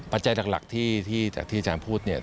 ปัจจัยหลักที่จากที่อาจารย์พูด